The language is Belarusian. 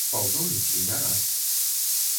Паўторыць і не раз!